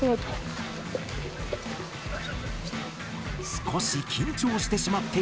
少し緊張してしまっている様子。